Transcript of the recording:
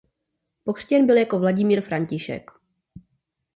Pokřtěn byl jako Vladimír František.